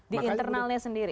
di internalnya sendiri